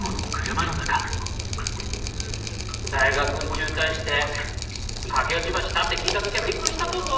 大学ん中退して駆け落ちばしたって聞いた時やびっくりしたとぞ。